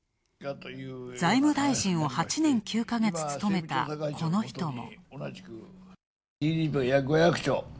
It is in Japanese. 財務大臣を８年９ヶ月務めた、この人も。